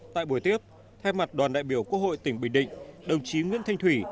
tại buổi tiếp thay mặt đoàn đại biểu quốc hội tỉnh bình định đồng chí nguyễn thanh thủy